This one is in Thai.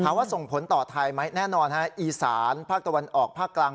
ส่งผลต่อไทยไหมแน่นอนฮะอีสานภาคตะวันออกภาคกลาง